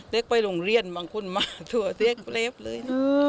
เล็กไปโรงเรียนบางคนมาตัวเล็กเล็กเลย